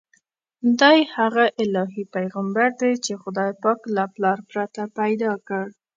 دی هغه الهي پیغمبر دی چې خدای پاک له پلار پرته پیدا کړ.